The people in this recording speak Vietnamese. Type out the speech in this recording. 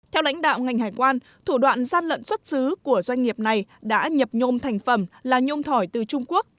theo lãnh đạo ngành hải quan thủ đoạn gian lận xuất xứ của doanh nghiệp này đã nhập nhôm thành phẩm là nhôm thỏi từ trung quốc